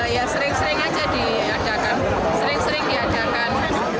ya sering sering aja diadakan